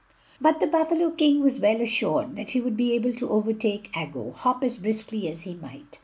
But the buffalo king was well assured that he would be able to overtake Aggo, hop as briskly as he might.